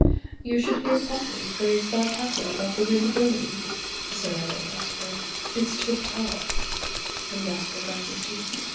'You should hear Puffin phrase that passage about the 'wind moaning,' said I to Gasper, 'it's tiptop,' and Gasper grinds his teeth.